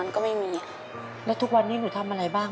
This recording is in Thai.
จะไม่เรียนต่อนะ